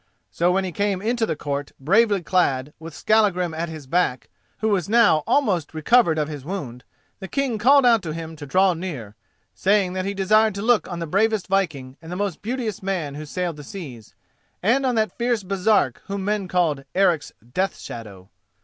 So when he came into the court, bravely clad, with Skallagrim at his back, who was now almost recovered of his wound, the King called out to him to draw near, saying that he desired to look on the bravest viking and most beauteous man who sailed the seas, and on that fierce Baresark whom men called "Eric's Death shadow."